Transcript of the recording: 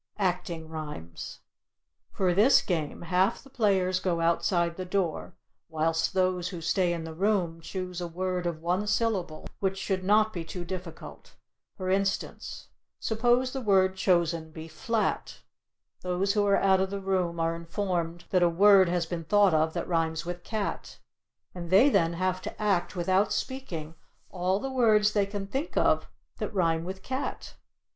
ACTING RHYMES For this game, half the players go outside the door, whilst those who stay in the room choose a word of one syllable, which should not be too difficult. For instance, suppose the word chosen be "Flat," those who are out of the room are informed that a word has been thought of that rhymes with "Cat," and they then have to act, without speaking, all the words they can think of that rhyme with "Cat."